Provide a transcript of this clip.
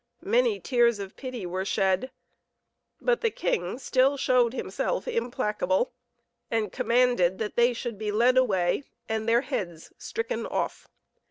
Many tears of pity were shed; but the king still showed himself implacable, and commanded that they should he led away, and their heads stricken off.